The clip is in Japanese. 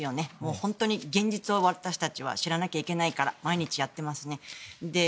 本当の現実を私たちは知らなきゃいけないから毎日やってますね。